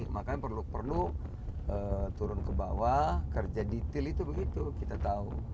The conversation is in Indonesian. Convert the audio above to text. makanya perlu perlu turun ke bawah kerja detail itu begitu kita tahu